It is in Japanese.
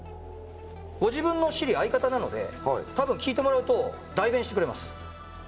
ご自分のＳｉｒｉ、相方なのでたぶん、聞いてもらうと代弁してくれます。